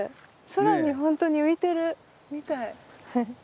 空に本当に浮いてるみたい。